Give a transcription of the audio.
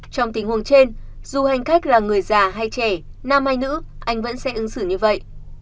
trong tình huống trên dù hành khách là người già hay trẻ nam hay nữ anh vẫn sẽ ứng xử như vậy